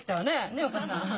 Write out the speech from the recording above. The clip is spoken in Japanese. ねえお義母さん？